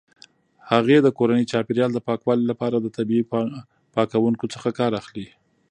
هغې د کورني چاپیریال د پاکوالي لپاره د طبیعي پاکونکو څخه کار اخلي.